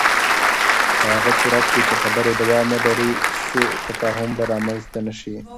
په هغه صورت کې چې خبرې دوام ولري، سوء تفاهم به رامنځته نه شي.